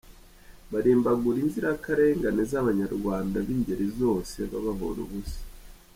Barimbagura inzirakarengane z’abanyarwanda b’ingeri zose, babahora ubusa !